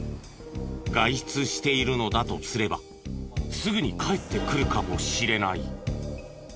外出しているのだとすればすぐに帰ってくるかもしれない。